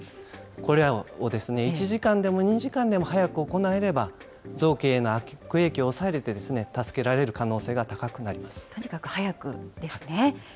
これらを１時間でも２時間でも早く行えれば、臓器への悪影響を抑えて、助けられる可能性が高くなとにかく早くですね。